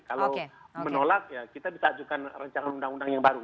kalau menolak ya kita bisa ajukan rencana undang undang yang baru